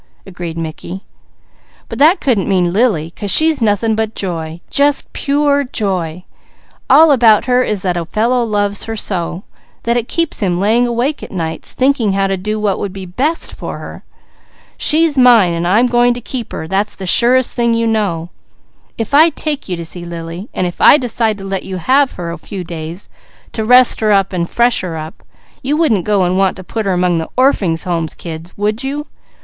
agreed Mickey. "But that couldn't mean Lily, 'cause she's nothing but joy! Just pure joy! All about her is that a fellow loves her so, that it keeps him laying awake at nights thinking how to do what would be best for her. She's mine, and I'm going to keep her; that's the surest thing you know. If I take you to see Lily, and if I decide to let you have her a few days to rest her and fresh her up, you wouldn't go and want to put her 'mong the Orphings' Home kids, would you?